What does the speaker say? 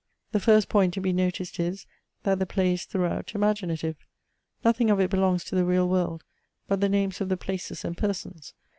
The first point to be noticed is, that the play is throughout imaginative. Nothing of it belongs to the real world, but the names of the places and persons.